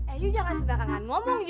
eh jangan sebarangan ngomong